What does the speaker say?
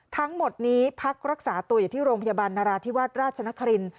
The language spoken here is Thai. ทั้งหมดนี้พักรักษาตัวอยู่ที่โรงพยาบาลนราธิวาสราชนคริน